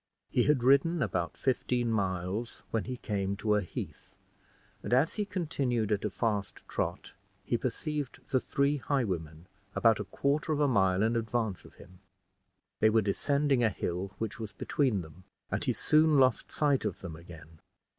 He had ridden about fifteen miles, when he came to a heath, and, as he continued at a fast trot, he perceived the three highwaymen about a quarter of a mile in advance of him; they were descending a hill which was between them, and he soon lost sight of them again.